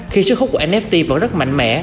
khi sức hút của nft vẫn rất mạnh mẽ